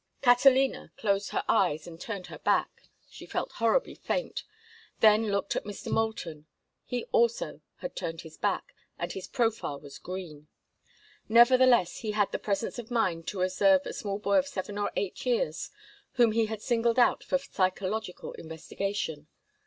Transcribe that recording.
Catalina closed her eyes and turned her back—she felt horribly faint—then looked at Mr. Moulton. He also had turned his back, and his profile was green. Nevertheless, he had the presence of mind to observe a small boy of seven or eight years, whom he had singled out for psychological investigation.